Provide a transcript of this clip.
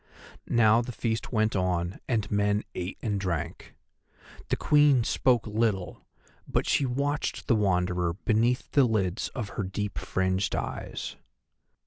Now the feast went on and men ate and drank. The Queen spoke little, but she watched the Wanderer beneath the lids of her deep fringed eyes.